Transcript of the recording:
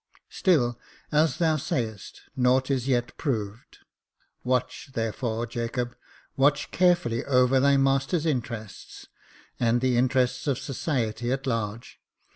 Still, as thou sayest, nought is yet proved. Watch, therefore, Jacob — watch carefully over thy master's interests, and the interests of society at large.